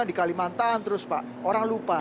di kalimantan terus pak orang lupa